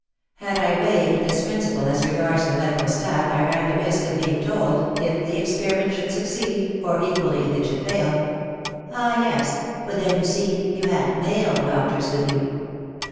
Had I waived this principle as regards the medical staff I ran the risk of being told, if the experiment should suc ceed, or equally if it should fail, " Ah, yes ! but then, you see, you had male doctors with you